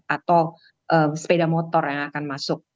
atau sepeda motor yang akan masuk